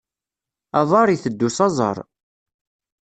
Aḍar iteddu s aẓar.